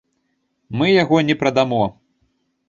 Мы яго не прадамо!